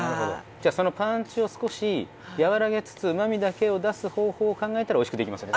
じゃあそのパンチを少し和らげつつうまみだけを出す方法を考えたらおいしくできますよね？